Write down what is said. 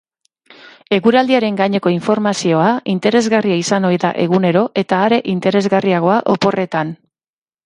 Eguraldiaren gaineko informazioa interesgarria izan ohi da egunero, eta are interesgarriagoa oporretan.